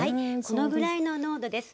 このぐらいの濃度です。